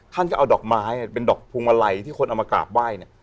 ท่านก็เอาดอกไม้เป็นดอกพวงมาลัยที่คนเอามากราบไหว้เนี่ย